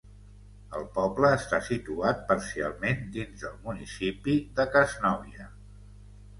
El poble està situat parcialment dins del municipi de Casnovia.